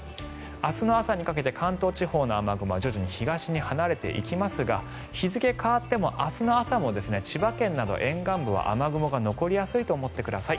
明日の朝にかけて関東地方の雨雲は徐々に東に離れていきますが日付変わっても明日の朝も千葉県など沿岸部は雨雲が残りやすいと思ってください。